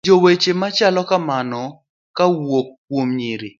winjo weche machalo kamano kawuok kuom nyiri